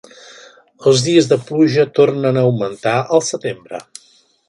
Els dies de pluja tornen a augmentar al setembre.